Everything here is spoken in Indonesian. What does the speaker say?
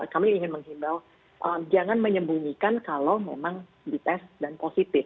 kami ingin menghimbau jangan menyembunyikan kalau memang dites dan positif